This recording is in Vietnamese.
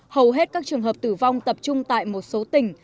hầu hết các trường hợp tử vong tập trung tại một số tỉnh